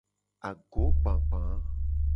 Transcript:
Agogbagba.